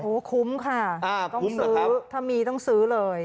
โอ้โหคุ้มค่ะต้องซื้อถ้ามีต้องซื้อเลย